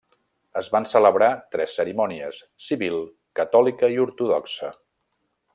Es van celebrar tres cerimònies: civil, catòlica i ortodoxa.